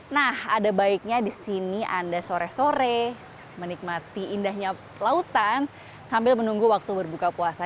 nah ada baiknya di sini anda sore sore menikmati indahnya lautan sambil menunggu waktu berbuka puasa